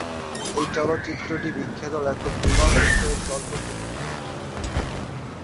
এই চলচ্চিত্রটি বিখ্যাত লেখক বিমল মিত্র এর গল্প থেকে নির্মিত।